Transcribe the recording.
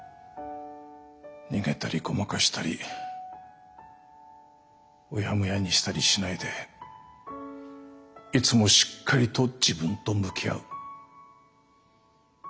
逃げたりごまかしたりうやむやにしたりしないでいつもしっかりと自分と向き合う。